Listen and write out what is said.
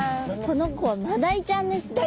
この子はマダイちゃんですね。